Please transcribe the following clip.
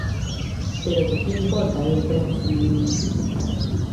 Pero o que aquí importa é o emprego feminino.